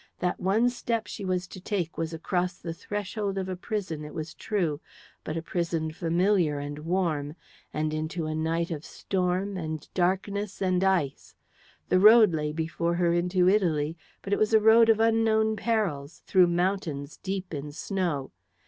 That one step she was to take was across the threshold of a prison, it was true, but a prison familiar and warm, and into a night of storm and darkness and ice. The road lay before her into Italy, but it was a road of unknown perils, through mountains deep in snow.